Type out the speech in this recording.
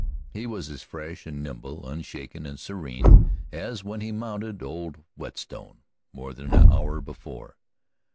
He was as fresh and nimble, unshaken and serene, as when he mounted old Whetstone more than an hour before.